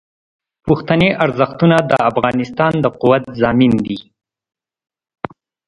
پښتني ارزښتونه د افغانستان د قوت ضامن دي.